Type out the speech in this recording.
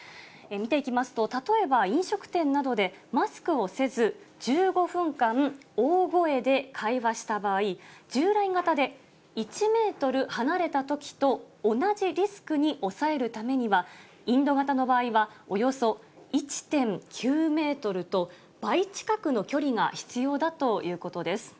見ていきますと、例えば飲食店などでマスクをせず、１５分間大声で会話した場合、従来型で１メートル離れたときと同じリスクに抑えるためには、インド型の場合は、およそ１．９メートルと、倍近くの距離が必要だということです。